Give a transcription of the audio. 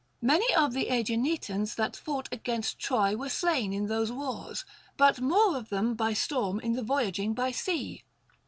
Many of the Aeginetans that fought against Troy were slain in those Avars, but more of them by storm in the voyaging by sea.